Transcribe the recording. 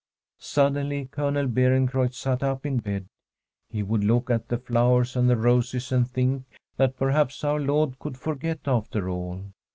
Suddenly Colonel Beerencreutz sat up in bed ; he would look at the flowers and the roses, and think that perhaps our Lord could forget after all.